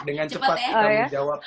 dengan cepat cepat ya kita jawab